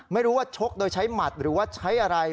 ไม่รู้ว่าชกโดยใช้หมัดหรือว่าใช้อะไร